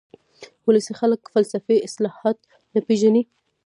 ولسي خلک فلسفي اصطلاحات نه پېژني